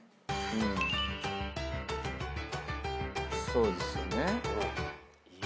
そうですよね。